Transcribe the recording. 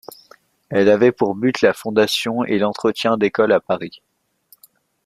Elles avaient pour but la fondation et l'entretien d'écoles à Paris.